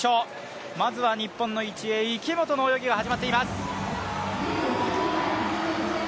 まずは日本の１泳、池本の泳ぎが始まっています。